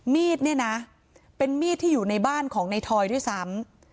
มีดเนี่ยนะเป็นมีดที่อยู่ในบ้านของในทอยด้วยซ้ำ